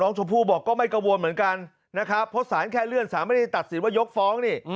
ชมพู่บอกก็ไม่กังวลเหมือนกันนะครับเพราะสารแค่เลื่อนสารไม่ได้ตัดสินว่ายกฟ้องนี่